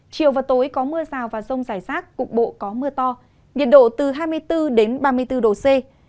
chiều và tối có mưa rào và rông rải rác cục bộ có mưa to nhiệt độ từ hai mươi bốn đến ba mươi bốn độ c